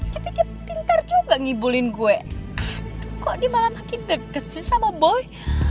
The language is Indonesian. kita pintar juga ngibulin gue kok dia malah makin deket sih sama boy